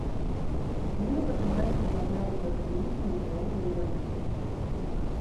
Кніга пачынаецца з агляду дарвінізму і тэорыі эвалюцыі.